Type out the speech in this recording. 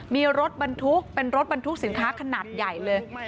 มีรถบรรทุกเป็นรถบรรทุกสินค้าขนาดใหญ่เลย